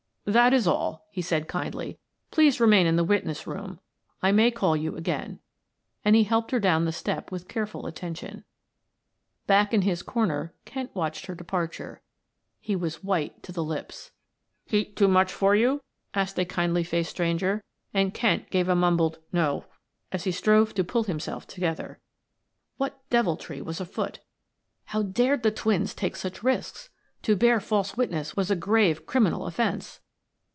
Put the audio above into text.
"That is all," he said kindly. "Please remain in the witness room, I may call you again," and he helped her down the step with careful attention. Back in his corner Kent watched her departure. He was white to the lips. "Heat too much for you?" asked a kindly faced stranger, and Kent gave a mumbled "No," as he strove to pull himself together. What deviltry was afoot? How dared the twins take such risks to bear false witness was a grave criminal offense.